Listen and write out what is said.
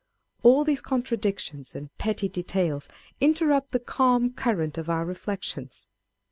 All these contra dictions and petty details interrupt the calm current of our reflections.